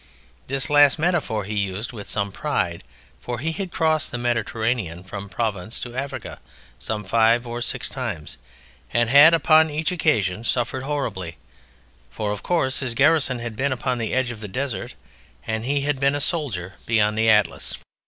This last metaphor he used with some pride, for he had crossed the Mediterranean from Provence to Africa some five or six times, and had upon each occasion suffered horribly; for, of course, his garrison had been upon the edge of the desert, and he had been a soldier beyond the Atlas.